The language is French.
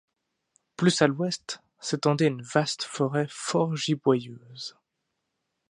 Plus à l'ouest, s'étendait une vaste forêt fort giboyeuse.